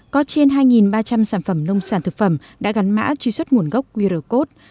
có trên hai ba trăm linh sản phẩm nông sản thực phẩm đã gắn mã truy xuất nguồn gốc qr code